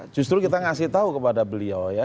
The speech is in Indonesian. justru kita memberitahu ke lia